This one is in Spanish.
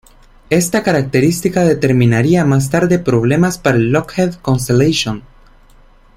Esta característica determinaría más tarde problemas para el Lockheed Constellation.